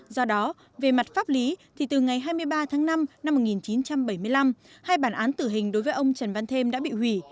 do đó về mặt pháp lý thì từ ngày hai mươi ba tháng năm năm một nghìn chín trăm bảy mươi năm hai bản án tử hình đối với ông trần văn thêm đã bị hủy